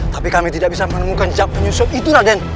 tapi kami tidak bisa menemukan jawab penyusup itu raden